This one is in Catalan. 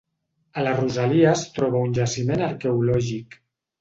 A la rosalia es troba un jaciment arqueològic.